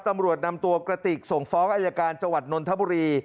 ตำรวจนำตัวกระติกส่งฟ้องอายการจังหวัดนนทบุรี